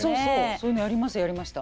そういうのやりましたやりました。